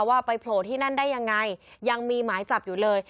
ว่าไปโผล่ที่นั่นได้ยังไงยังมีหมายจับอยู่เลย